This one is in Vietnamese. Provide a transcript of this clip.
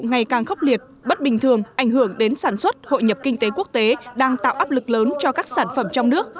ngày càng khốc liệt bất bình thường ảnh hưởng đến sản xuất hội nhập kinh tế quốc tế đang tạo áp lực lớn cho các sản phẩm trong nước